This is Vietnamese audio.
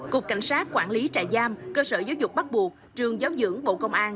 cục cảnh sát quản lý trại giam cơ sở giáo dục bắt buộc trường giáo dưỡng bộ công an